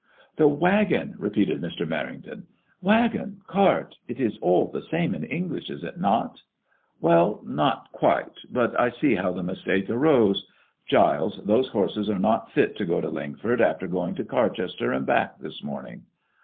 " The waggon !" repeated Mr. Merrington. ''Waggon, cart, it is all the same in English, is it not ?"Well, not quite ; but I see bow the mistake arose. Giles, those horses are not fit to go to Lingford, after going to Car chester and back this morning."